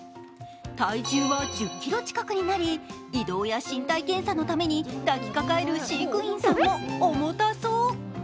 体重は１０ｋｇ近くになり、移動や身体検査のために抱きかかえる飼育員さんも重たそう。